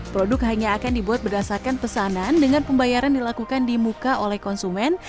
produk hanya akan dibuat berdasarkan pesanan dengan pembayaran dilakukan di muka oleh konsumen